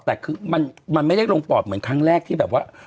แต่คือมันไม่ได้ลงปอดเหมือนครั้งแรกที่แบบว่า